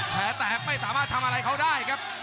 แผลแตกไม่สามารถทำอะไรเขาได้ครับ